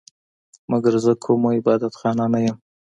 مګر زه کومه عبادت خانه نه یم